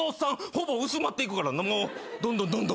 ほぼ薄まっていくからどんどんどんどん。